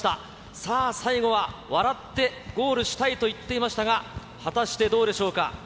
さあ、最後は笑ってゴールしたいと言っていましたが、果たしてどうでしょうか。